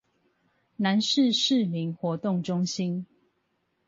南勢市民活動中心